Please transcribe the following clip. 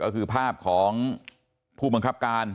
ก็คือภาพของผู้บังคับการ